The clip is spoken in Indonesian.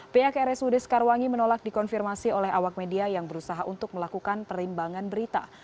pihak rsud sekarwangi menolak dikonfirmasi oleh awak media yang berusaha untuk melakukan perimbangan berita